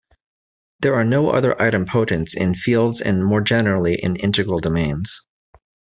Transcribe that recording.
There are no other idempotents in fields and more generally in integral domains.